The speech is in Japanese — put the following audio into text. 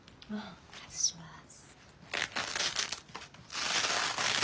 外します。